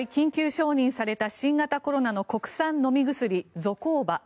承認された新型コロナの国産飲み薬ゾコーバ。